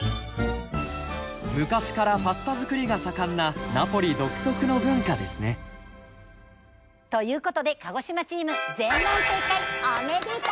昔からパスタ作りが盛んなナポリ独特の文化ですね。ということで鹿児島チーム全問正解おめでとう。